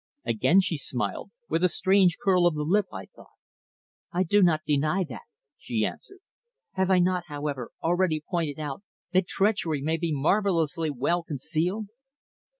Again she smiled, with a strange curl of the lip, I thought. "I do not deny that," she answered. "Have I not, however, already pointed out that treachery may be marvellously well concealed?"